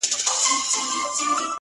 ه ياره په ژړا نه کيږي ـ